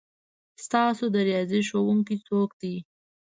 ستاسو د ریاضي ښؤونکی څوک دی؟